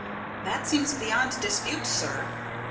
"That seems beyond dispute, sir."